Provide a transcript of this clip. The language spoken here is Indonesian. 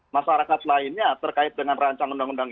masyarakat lainnya terkait dengan rancang undang undang